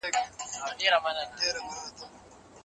هغه څوک چي ښه کار کوي، بريالي کېږي.